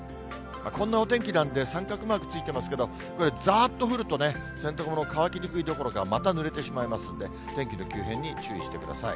こんなお天気なんで、三角マークついてますけど、これざーっと降ると、洗濯物、乾きにくいどころか、また濡れてしまいますので、天気の急変に注意してください。